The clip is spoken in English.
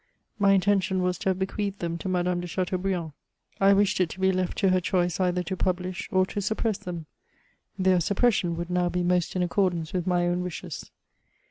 My intention was to have bequeathed them to Madame de Chateaubriand. I wished it to be left to her choice either to pubUsh, or to suppress them ; their suj^ression woidd now he most in accordance with my own wishes.